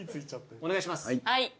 お願いします。